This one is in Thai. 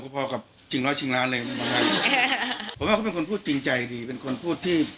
พอเป็นคนพูดจริงใจดีคุณพูดที่